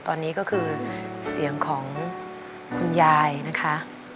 ตอนนี้ก็คือเสียงของคุณยายนะคะ